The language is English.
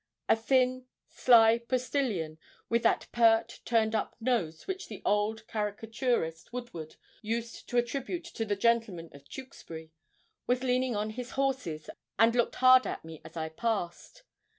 A thin, sly postilion, with that pert, turned up nose which the old caricaturist Woodward used to attribute to the gentlemen of Tewkesbury, was leaning on his horses, and looked hard at me as I passed.